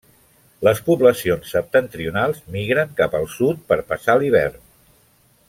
Les poblacions septentrionals migren cap al sud per passar l'hivern.